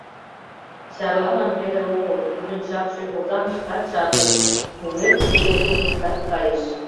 Чарлалан веле огыл, тудын чапше Озаҥышкат шарлыш, увер Петербургышкат кайыш.